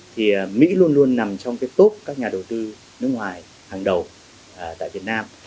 thì mỹ luôn luôn nằm trong cái tốp các nhà đầu tư nước ngoài hàng đầu tại việt nam